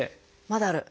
まだある？